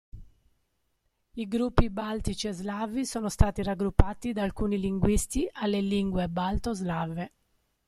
I gruppi baltici e slavi sono stati raggruppati da alcuni linguisti alle lingue balto-slave.